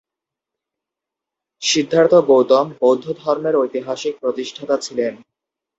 সিদ্ধার্থ গৌতম বৌদ্ধ ধর্মের ঐতিহাসিক প্রতিষ্ঠাতা ছিলেন।